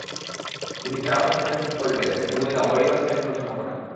তিনি Charles de ফকোল্ডের জীবনী দ্য ওয়ারিয়র সেন্ট রচনা করেন।